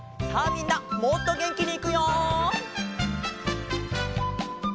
みんなもっとげんきにいくよ！